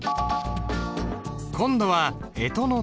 今度はえとの「寅」。